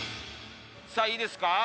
さあいいですか？